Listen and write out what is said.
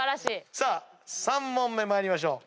さあ３問目参りましょう。